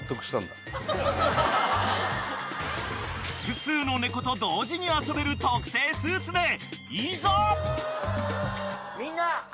［複数の猫と同時に遊べる特製スーツでいざ！］